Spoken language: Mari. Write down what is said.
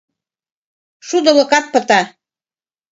Шудылыкат пыта.